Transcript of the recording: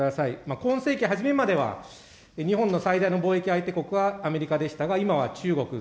今世紀初めまでは日本の最大の貿易相手国はアメリカでしたが、今は中国。